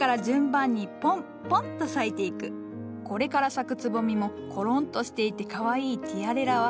これから咲くつぼみもコロンとしていてかわいいティアレラは。